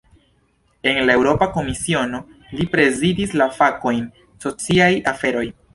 En la Eŭropa Komisiono, li prezidis la fakojn "sociaj aferoj".